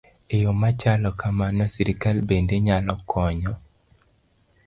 E yo ma chalo kamano, sirkal bende nyalo konyo